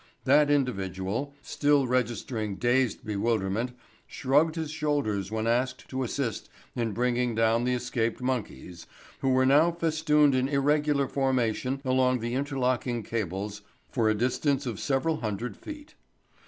That individual, still registering dazed bewilderment, shrugged his shoulders when asked to assist in bringing down the escaped monkeys, who were now festooned in irregular formation along the interlocking cables for a distance of several hundred feet.